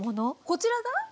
こちらが？